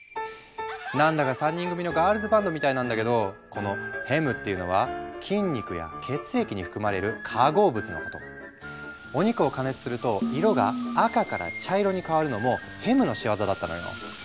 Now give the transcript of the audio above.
何だか３人組のガールズバンドみたいなんだけどこのヘムっていうのはお肉を加熱すると色が赤から茶色に変わるのもヘムの仕業だったのよ。